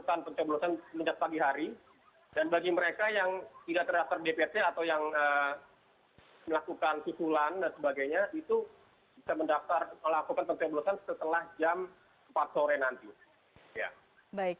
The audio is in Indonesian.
kita melakukan pencembelosan semenjak pagi hari dan bagi mereka yang tidak terdaftar dpc atau yang melakukan kukulan dan sebagainya itu bisa melakukan pencembelosan setelah jam empat sore nanti